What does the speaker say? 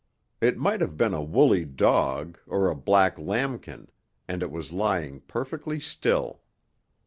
It might have been a woolly dog, or a black lambkin, and it was lying perfectly still.